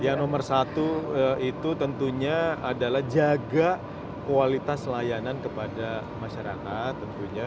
yang nomor satu itu tentunya adalah jaga kualitas layanan kepada masyarakat tentunya